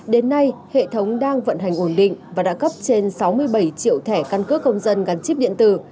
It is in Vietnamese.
đến nay hệ thống đang vận hành ổn định và đã cấp trên sáu mươi bảy triệu thẻ căn cước công dân gắn chip điện tử